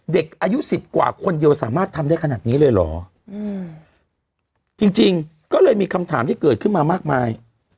เด็กอายุสิบกว่าคนเดียวสามารถทำได้ขนาดนี้เลยเหรอจริงจริงก็เลยมีคำถามที่เกิดขึ้นมามากมาย